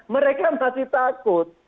mereka masih takut